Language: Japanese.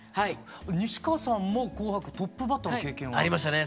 西川さんも「紅白」トップバッターの経験は？ありましたね。